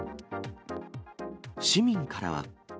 市民からは。